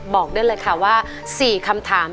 บอกได้เลยค่ะว่า๔คำถาม